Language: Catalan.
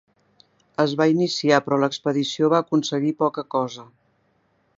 Es va iniciar, però l'expedició va aconseguir poca cosa.